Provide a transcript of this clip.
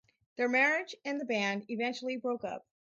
Their marriage and the band eventually broke up.